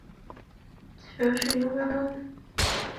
城市霓虹灯招牌属于一种特殊的大型氖灯。